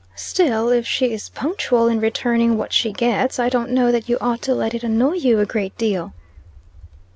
"Still, if she is punctual in returning what she gets, I don't know that you ought to let it annoy you a great deal."